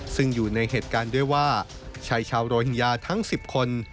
ซึ่งอยู่ในเหตุการณ์ด้วยว่าชายชาวโรฮิงญาทั้ง๑๐คน